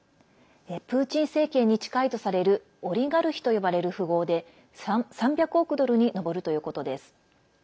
プーチン政権に近いとされるオリガルヒと呼ばれる富豪で３００億ドルに上るということです。